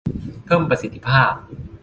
เพิ่มประสิทธิภาพ